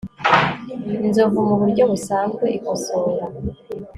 Inzovu muburyo busanzwe ikosora